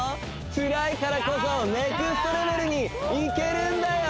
つらいからこそネクストレベルにいけるんだよ